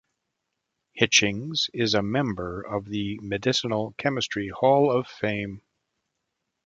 Hitchings is a member of the Medicinal Chemistry Hall of Fame.